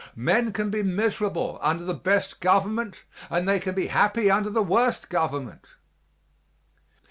Men can be miserable under the best government and they can be happy under the worst government.